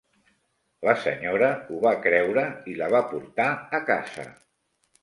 La senyora ho va creure i la va portar a casa